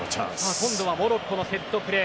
今度はモロッコのセットプレー。